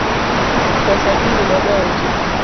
Pesa kiny nodonji